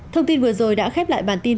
thông tin vừa rồi đã khép lại bản tin